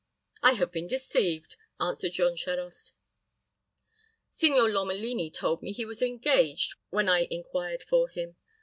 "I have been deceived," answered Jean Charost. "Signor Lomelini told me he was engaged when I inquired for him.